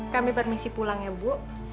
kami bermisi pulang ya bu